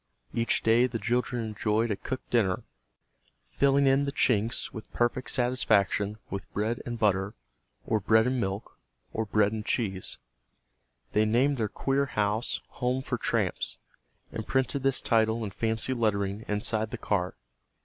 Each day the children enjoyed a cooked dinner, filling in the chinks with perfect satisfaction with bread and butter, or bread and milk, or bread and cheese. They named their queer house, "Home for Tramps," and printed this title in fancy lettering inside the car.